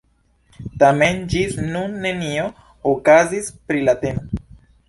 Tamen ĝis nun nenio okazis pri la temo.